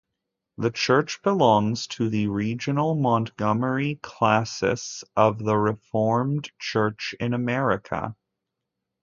The church belongs to the regional Montgomery Classis of the Reformed Church in America.